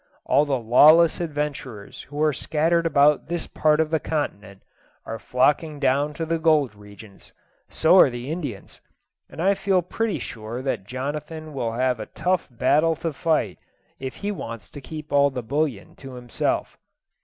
All the lawless adventurers who are scattered about this part of the continent are flocking down to the gold regions, so are the Indians; and I feel pretty sure that Jonathan will have a tough battle to fight if he wants to keep all the bullion to himself.